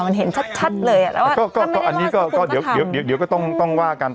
มันเห็นชัดชัดเลยอ่ะแล้วก็ก็อันนี้ก็ก็เดี๋ยวเดี๋ยวก็ต้องต้องว่ากัน